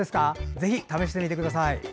ぜひ試してみてください。